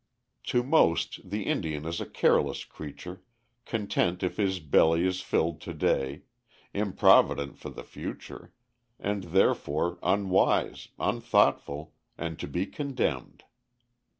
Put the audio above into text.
To most people the Indian is a careless creature, content if his belly is filled to day, improvident for the future, and therefore unwise, unthoughtful, and to be condemned.